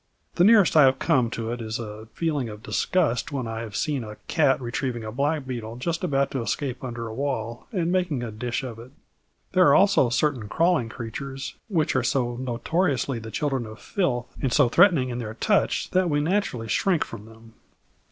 The nearest I have come to it is a feeling of disgust when I have seen a cat retrieving a blackbeetle just about to escape under a wall and making a dish of it. There are also certain crawling creatures which are so notoriously the children of filth and so threatening in their touch that we naturally shrink from them.